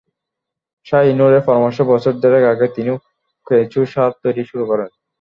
শাহিনূরের পরামর্শে বছর দেড়েক আগে তিনিও কেঁচো সার তৈরি শুরু করেন।